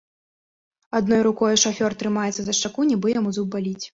Адной рукою шафёр трымаецца за шчаку, нібы яму зуб баліць.